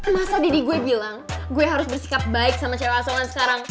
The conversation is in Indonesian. masa dede gue bilang gue harus bersikap baik sama cera songan sekarang